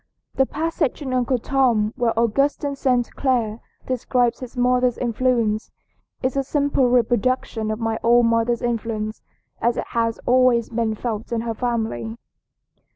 "The passage in 'Uncle Tom' where Augustine St. Clare describes his mother's influence is a simple reproduction of my own mother's influence as it has always been felt in her family."